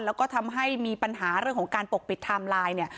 แล้วก็ทำให้มีปัญหาเรื่องของการปกปิดไทม์ไลน์เนี่ย